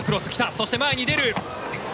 そして前に出る。